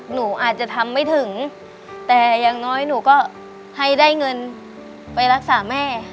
หนูอาจจะทำไม่ถึงแต่อย่างน้อยหนูก็ให้ได้เงินไปรักษาแม่